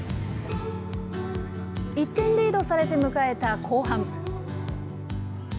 １点リードされて迎えた後半。